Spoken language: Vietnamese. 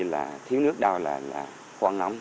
là thiếu nước đâu là khoảng nóng